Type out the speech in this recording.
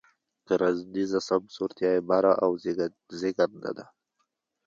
کرنیزه سمسورتیا یې بره او زېږنده ده.